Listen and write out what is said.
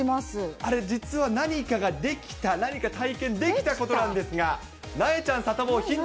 あれ、実は何かができた、何か体験できたことなんですが、なえちゃん、サタボー、ヒント